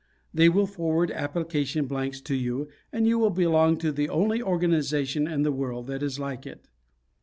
They will forward application blanks to you and you will belong to the only organization in the world that is like it.